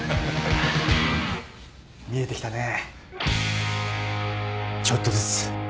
見えてきたねちょっとずつ。